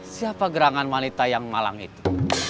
siapa gerangan wanita yang malang itu